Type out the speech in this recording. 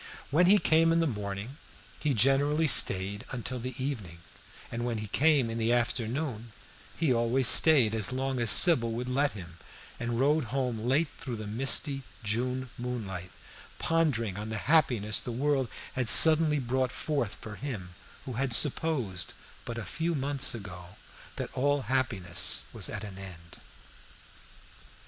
When he came in the morning he generally stayed until the evening, and when he came in the afternoon he always stayed as long as Sybil would let him, and rode home late through the misty June moonlight pondering on the happiness the world had suddenly brought forth for him who had supposed, but a few months ago, that all happiness was at an end.